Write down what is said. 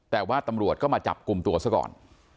แต่ว่าตำรวจก็มาจับกลุ่มตัวซะก่อน